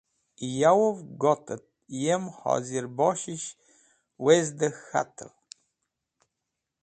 Yowev got et yem hozirboshish wezdey k̃hatev.